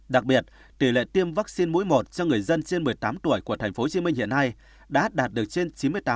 đặc biệt tỷ lệ tiêm vaccine mũi một cho người dân trên một mươi tám tuổi của tp hcm hiện nay đã đạt được trên chín mươi tám